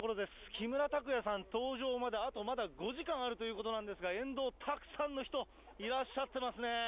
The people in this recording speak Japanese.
木村拓哉さん登場まであとまだ５時間あるということなんですが、沿道、たくさんの人いらっしゃってますね。